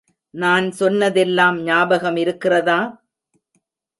நான் சொன்னதெல்லாம் ஞாபகம் இருக்கிறதா?